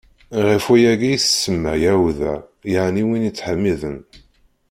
Ɣef wayagi i s-tsemma Yahuda, yeɛni win yettḥemmiden.